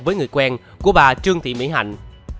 với người quen của bà trương thị mỹ hạnh